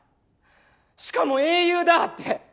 「しかも英雄だ」って。